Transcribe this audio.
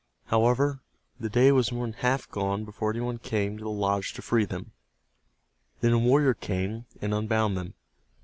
However, the day was more than half gone before any one came to the lodge to free them. Then a warrior came, and unbound them.